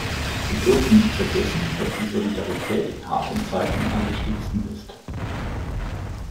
Wir dürfen nicht vergessen, dass die Solidarität in harten Zeiten am wichtigsten ist.